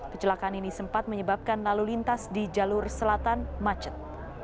kecelakaan ini sempat menyebabkan lalu lintas di jalur selatan macet